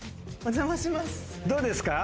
お邪魔します。